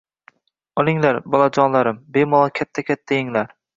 Olinglar, bolajonlarim, bemalol katta-katta englar